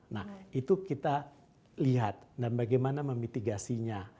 nah itu kita lihat dan bagaimana memitigasinya